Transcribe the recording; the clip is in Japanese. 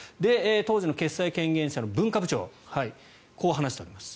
当時の決裁権限者の文化部長はこう話しています。